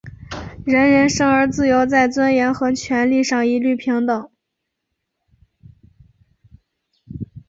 人人生而自由,在尊严和权利上一律平等。